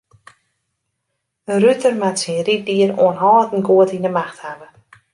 In ruter moat syn ryddier oanhâldend goed yn 'e macht hawwe.